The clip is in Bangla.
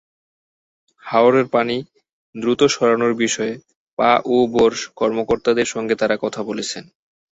হাওরের পানি দ্রুত সরানোর বিষয়ে পাউবোর কর্মকর্তাদের সঙ্গে তাঁরা কথা বলেছেন।